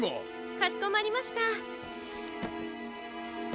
かしこまりました。